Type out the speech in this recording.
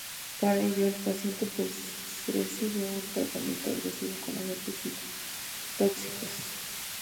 Para ello, el paciente recibe un tratamiento agresivo con agentes citotóxicos.